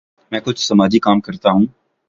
میں کچھ سماجی کام کرتا ہوں۔